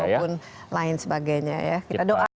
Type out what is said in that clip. maupun lain sebagainya ya kita doa